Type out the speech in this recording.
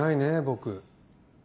僕。